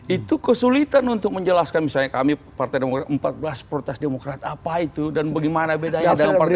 itu kesulitan untuk menjelaskan misalnya kami partai demokrat empat belas protes demokrat apa itu dan bagaimana bedanya dengan partai demokrat